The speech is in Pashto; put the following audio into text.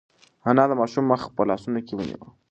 انا د ماشوم مخ په لاسونو کې ونیو.